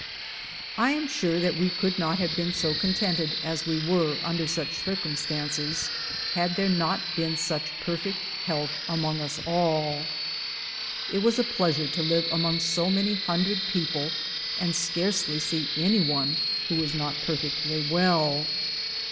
I am sure that we could not have been so contented as we were under such circumstances had there not been such perfect health among us all. It was a pleasure to live among so many hundred people and scarcely see any one who was not perfectly well.